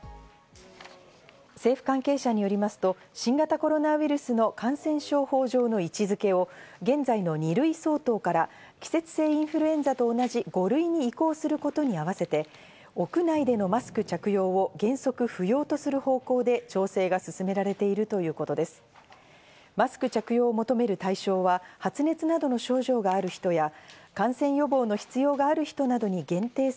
政府関係者によりますと、新型コロナウイルスの感染症法上の位置付けを現在の２類相当から季節性インフルエンザと同じ、５類に移行することに合わせて、屋内でのマスク着用を原則不要とする方向で調整が進められているということです。